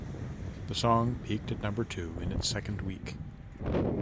The song peaked at number two in its second week.